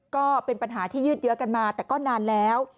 ก็เป็นปัญหาที่ยืดเยอะกันมาแต่ก็นานแล้ว